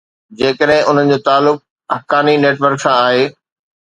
جيڪڏهن انهن جو تعلق حقاني نيٽ ورڪ سان آهي.